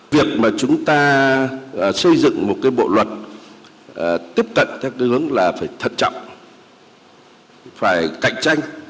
việc mà chúng ta xây dựng một cái bộ luật tiếp cận theo hướng là phải thật trọng phải cạnh tranh